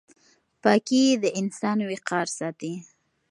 پاکي د انسان وقار ساتي.